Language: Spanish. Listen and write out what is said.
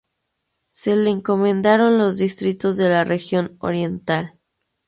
Se le encomendaron los distritos de la región oriental.